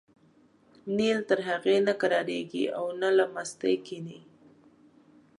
نیل تر هغې نه کرارېږي او نه له مستۍ کېني.